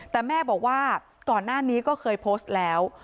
แต่แม่บอกว่าก่อนหน้านี้ก็เคยโพสต์แล้ว